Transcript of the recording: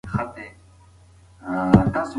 کتابونه د هغې د ژوند د تیاره کوټې یوازینۍ ډېوه وه.